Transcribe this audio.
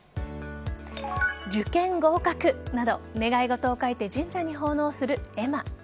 受験合格など願い事を書いて神社に奉納する絵馬。